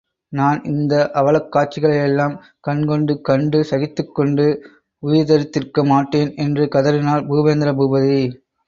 நான் இந்த அவலக் காட்சிகளையெல்லாம் கண்கொண்டு கண்டு சகித்துக்கொண்டு உயிர்தரித்திருக்க மாட்டேன்! என்று கதறினார் பூபேந்திர பூபதி.